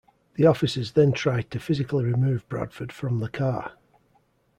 The officers then tried to physically remove Bradford from the car.